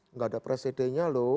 enggak ada presidenya lho